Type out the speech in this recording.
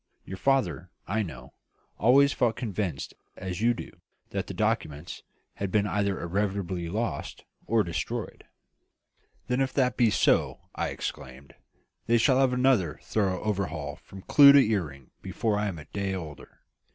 Your father, I know, always felt convinced, as you do, that the documents had been either irretrievably lost, or destroyed." "Then if that be so," I exclaimed, "they shall have another thorough overhaul from clew to earring before I am a day older.